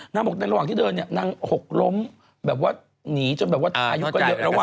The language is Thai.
นางบอกว่าในระหว่างที่เดินนางหกล้มแบบว่าหนีจนอายุกระเยอะ